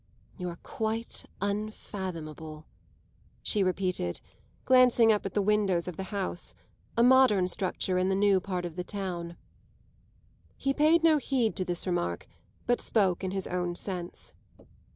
"You're quite unfathomable," she repeated, glancing up at the windows of the house, a modern structure in the new part of the town. He paid no heed to this remark, but spoke in his own sense.